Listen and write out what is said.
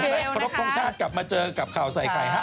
ครบทรงชาติกลับมาเจอกับข่าวใส่ไข่ฮะ